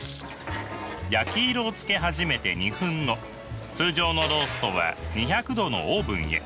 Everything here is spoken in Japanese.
焼き色をつけ始めて２分後通常のローストは２００℃のオーブンへ。